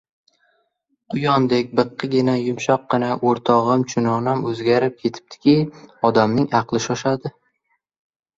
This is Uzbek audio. Quyondek biqqigina, yumshoqqina o‘rtog‘im, chunonam o‘zgarib ketibdiki, odamning aqli shoshadi.